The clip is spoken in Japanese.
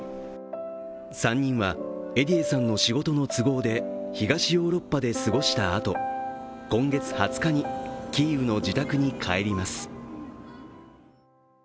３人は、エディエさんの仕事の都合で東ヨーロッパで過ごしたあと今月２０日にキーウの自宅に帰ります。